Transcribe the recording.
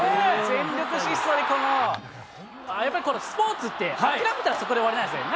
全力疾走にこの、やっぱりスポーツって、諦めたらそこで終わりなんですね。